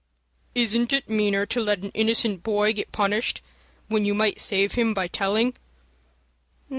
"Isn't it meaner to let an innocent boy get punished, when you might save him by telling?"